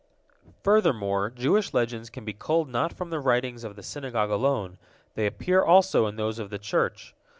Furthermore, Jewish legends can be culled not from the writings of the Synagogue alone; they appear also in those of the Church.